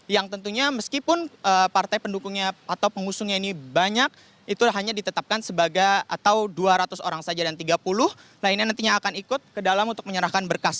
yang tentunya meskipun partai pendukungnya atau pengusungnya ini banyak itu hanya ditetapkan sebagai atau dua ratus orang saja dan tiga puluh lainnya nantinya akan ikut ke dalam untuk menyerahkan berkas